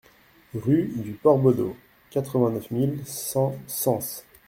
Rue du Port Bodot, quatre-vingt-neuf mille cent Sens